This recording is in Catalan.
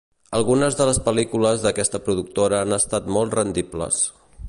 Algunes de les pel·lícules d'aquesta productora han estat molt rendibles.